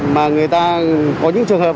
mà người ta có những trường hợp